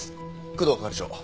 工藤係長。